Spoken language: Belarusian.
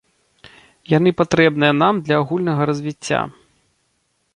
Яны патрэбныя нам для агульнага развіцця.